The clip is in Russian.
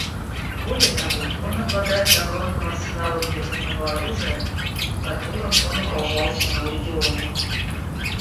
Более того, он обладает огромным арсеналом ядерного оружия, которым он угрожает всему региону.